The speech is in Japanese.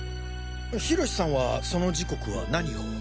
浩さんはその時刻は何を？